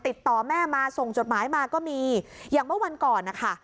ติดต่อแม่มาส่งจดหมายมาก็มีอย่างเมื่อวันก่อนนะคะ